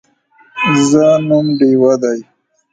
زه نوم ډیوه دی